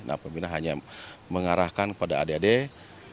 nah pembina hanya mengarahkan kepada adik adik